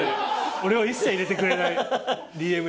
俺を一切入れてくれないＤＭＭ。